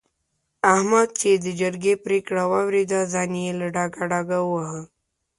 احمد چې د جرګې پرېکړه واورېده؛ ځان يې له ډاګه ډاګه وواهه.